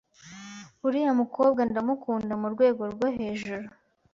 Uriya mukobwa ndamukunda murwego rwo hejuru